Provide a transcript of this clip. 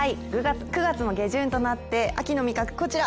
９月も下旬となって秋の味覚、こちら。